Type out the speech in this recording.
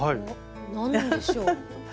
何でしょう？